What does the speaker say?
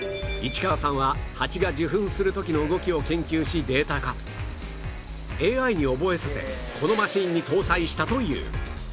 市川さんはハチが受粉する時の動きを研究しデータ化ＡＩ に覚えさせこのマシーンに搭載したという